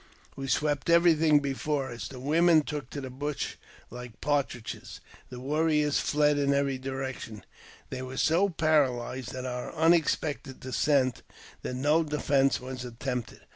We swept every thing before us ; the women ok to the bush like partridges ; the warriors fled in every ection. They were so paralyzed at our unexpected descent at no defence was attempted.